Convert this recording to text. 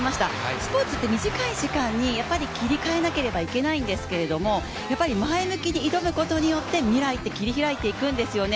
スポ−ツって短い時間にやっぱり切り替えなければいけないんですけど前向きに挑むことによって、未来って切り開いていくんですよね。